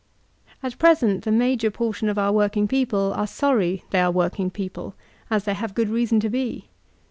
At present the major portion of our working people are sorry they are working people (as they have good reason to be).